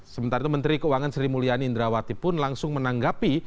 sementara itu menteri keuangan sri mulyani indrawati pun langsung menanggapi